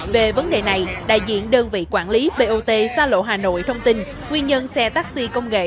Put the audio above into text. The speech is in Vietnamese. về vấn đề này đại diện đơn vị quản lý bot xa lộ hà nội thông tin nguyên nhân xe taxi công nghệ